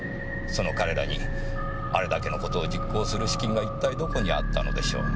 その彼らにあれだけの事を実行する資金が一体どこにあったのでしょう？